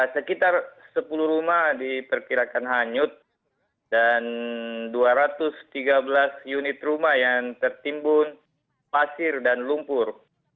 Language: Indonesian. sekitar sepuluh rumah diperkirakan hanyut dan dua ratus tiga belas unit rumah yang tertimbun pasir dan lumpur